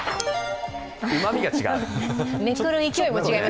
うまみが違う。